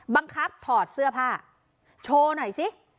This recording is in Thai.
บังคับถอดเสื้อผ้าโชว์หน่อยสิ